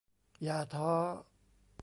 อย่าท้อ